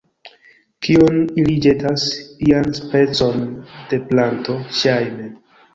Kion ili ĵetas? ian specon de planto, ŝajne